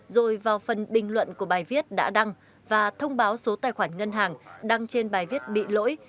rồi vào phần bình luận của bài viết đã đăng và thông báo số tài khoản ngân hàng đăng trên bài viết bị lỗi